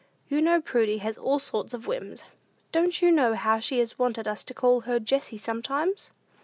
You know Prudy has all sorts of whims. Don't you know how she has wanted us to call her Jessie sometimes?"